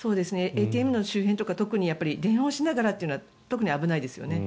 ＡＴＭの周辺とか電話をしながらという特に危ないですよね。